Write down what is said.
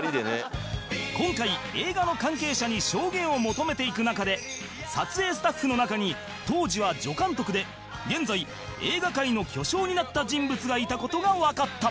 今回映画の関係者に証言を求めていく中で撮影スタッフの中に当時は助監督で現在映画界の巨匠になった人物がいた事がわかった